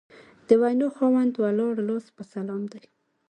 د وینا خاوند ولاړ لاس په سلام دی